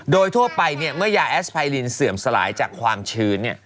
โดยทั่วไปเมื่อยาแอสไพรินเสื่อมสลายจากความชื้น